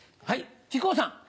はい。